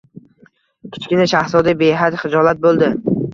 Kichkina shahzoda behad xijolat bo‘ldi